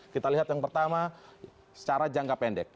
kita lihat yang pertama secara jangka pendek